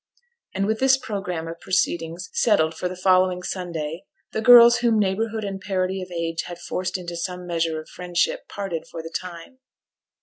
And with this programme of proceedings settled for the following Sunday, the girls whom neighbourhood and parity of age had forced into some measure of friendship parted for the time.